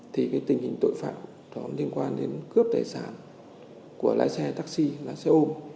thì tình hình tội phạm liên quan đến cướp tài sản của lái xe taxi lái xe ôm